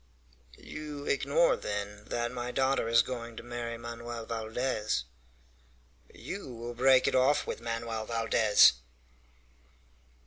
"You ignore, then, that my daughter is going to marry Manoel Valdez?" "You will break it off with Manoel Valdez!"